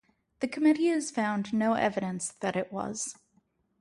The Committee has found no evidence that it was.